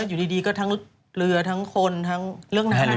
อยู่ดีก็ทั้งเรือทั้งคนทั้งเรื่องน้ำ